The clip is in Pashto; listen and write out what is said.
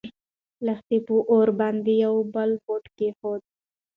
لښتې په اور باندې يو بل بوټی کېښود.